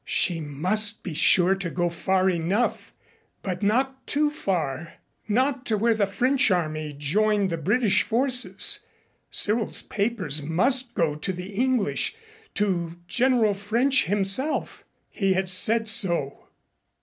She must be sure to go far enough but not too far not to where the French army joined the British forces. Cyril's papers must go to the English, to General French himself. He had said so.